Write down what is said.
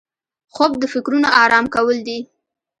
خوب د فکرونو آرام کول دي